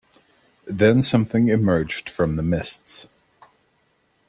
Then something emerged from the mists.